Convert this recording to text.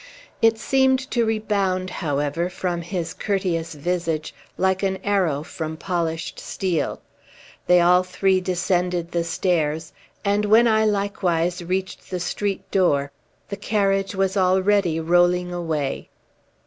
It seemed to rebound, however, from his courteous visage, like an arrow from polished steel. They all three descended the stairs; and when I likewise reached the street door, the carriage was already rolling away.